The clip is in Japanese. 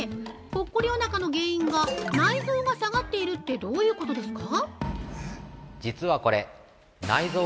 ぽっこりおなかの原因が内臓が下がっているってどういうことですか！？